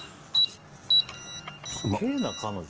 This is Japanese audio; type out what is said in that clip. すげえな彼女。